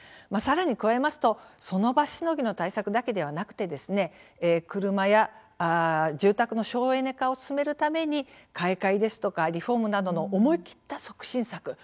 さらに加えますとその場しのぎの対策だけではなくて車や住宅の省エネ化を進めるために買い替えですとかリフォームなどの思い切った促進策